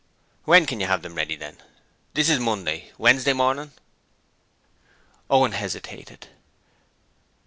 'When can you have them ready then? This is Monday. Wednesday morning?' Owen hesitated.